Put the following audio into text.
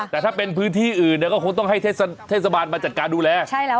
แต่ถ้าเป็นพื้นที่อื่นเนี่ยก็คงต้องให้เทศบาลมาจัดการดูแล